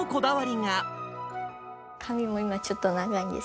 髪も今、ちょっと長いんです